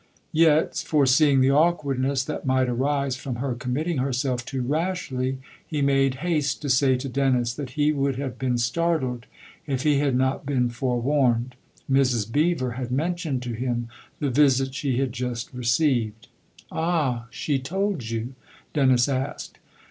Yet, foreseeing the awkwardness that might arise from her committing herself too rashly, he made haste to say to Dennis that he would have been startled if he had not been forewarned : Mrs. Beever had mentioned to him the visit she had just received. " Ah, she told you ?" Dennis asked.